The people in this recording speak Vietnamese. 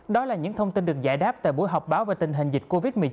đó là những thông tin được giải đáp tại buổi họp báo về tình hình dịch covid một mươi chín